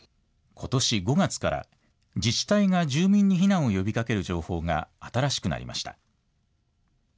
ことし５月から自治体が住民に避難を呼びかける情報が新しくなりました。